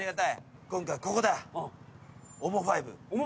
今回ここだ。